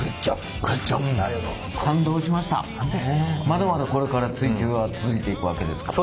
まだまだこれから追求は続いていくわけですか？